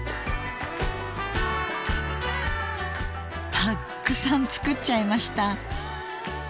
たっくさん作っちゃいました。